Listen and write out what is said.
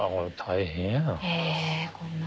大変やな。